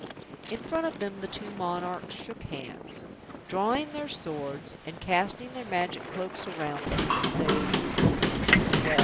In front of them the two monarchs shook hands. Drawing their swords and casting their Magic Cloaks around them, they " "Well?"